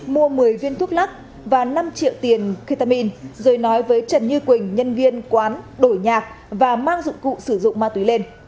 mua một mươi viên thuốc lắc và năm triệu tiền ketamin rồi nói với trần như quỳnh nhân viên quán đổi nhạc và mang dụng cụ sử dụng ma túy lên